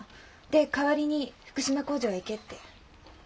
で代わりに「福島工場へ行け」って。